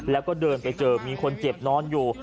แล้วก็เดินไปเจอมีคนเจ็บนอนอยู่